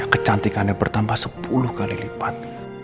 kecantikannya bertambah sepuluh kali lipat